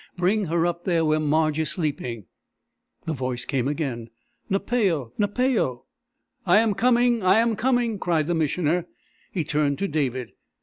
Bring her up there, where Marge is sleeping...." The voice came again: "Napao Napao!" "I am coming; I am coming!" cried the Missioner. He turned to David.